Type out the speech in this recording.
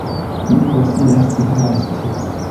Mi konsilas hasti.